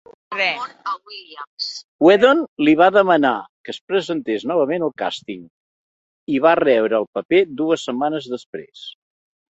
Whedon li va demanar que es presentés novament al càsting, i va rebre el paper dues setmanes després.